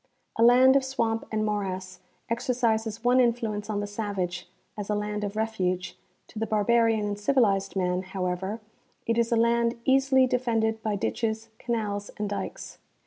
A land of swamp and morass exercises one influence on the savage, as a land of refuge ; to the barbarian and civilized man, however, it is a land easily defended by ditches, canals and dikes.